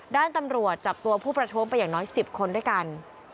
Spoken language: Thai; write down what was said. ด้านตำรวจจับตัวผู้ประท้วงไปอย่างน้อย๑๐คนด้วยกัน